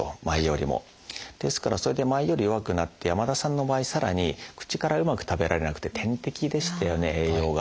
ですからそれで前より弱くなって山田さんの場合さらに口からうまく食べられなくて点滴でしたよね栄養が。